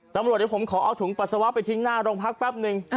ตำรวจเดี๋ยวผมขอเอาถุงปัสสาวะไปทิ้งหน้าโรงพักแป๊บนึง